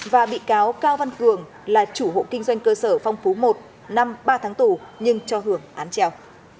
và bị cáo cao văn cường là chủ hộ kinh doanh cơ sở phong phú một năm ba tháng tù nhưng cho hưởng án treo